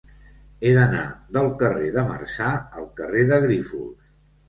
He d'anar del carrer de Marçà al carrer de Grífols.